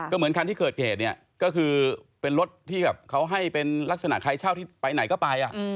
ก็เหมือนคันที่เกิดเหตุเนี่ยก็คือเป็นรถที่แบบเขาให้เป็นลักษณะใครเช่าที่ไปไหนก็ไป